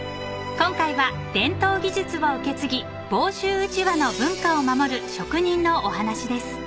［今回は伝統技術を受け継ぎ房州うちわの文化を守る職人のお話です］